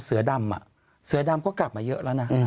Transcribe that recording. เสือดำก็กลับมาเยอะแล้วนะ